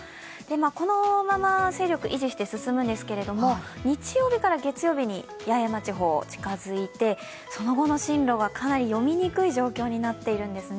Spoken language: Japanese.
このまま勢力を維持して進むんですけれども、日曜日から月曜日に八重山地方に近づいてその後の進路がかなり読みにくい状況になってるんですね。